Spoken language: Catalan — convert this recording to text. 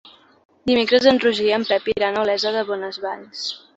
Dimecres en Roger i en Pep iran a Olesa de Bonesvalls.